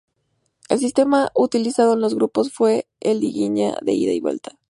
El sistema utilizado en los grupos fue una liguilla a ida y vuelta.